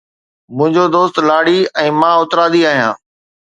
منھنجو دوست لاڙي ۽ مان اترادي آھيان.